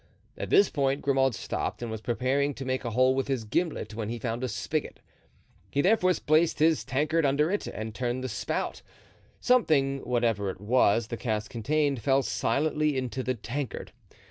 At this point Grimaud stopped and was preparing to make a hole with his gimlet, when he found a spigot; he therefore placed his tankard under it and turned the spout; something, whatever it was the cask contained, fell silently into the tankard.